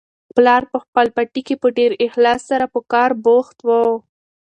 پلار په خپل پټي کې په ډېر اخلاص سره په کار بوخت و.